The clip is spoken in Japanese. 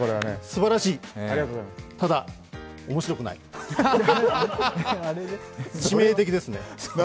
すばらしい、ただ面白くない致命的ですね。